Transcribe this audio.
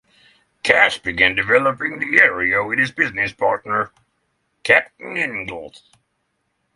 Cass began developing the area with his business partner, Captain Ingals.